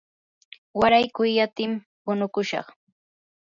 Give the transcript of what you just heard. waray quyatim punukushaq.